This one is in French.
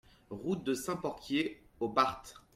Route de Saint-Porquier aux Barthes